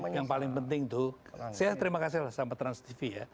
yang paling penting itu saya terima kasih lah sama transtv ya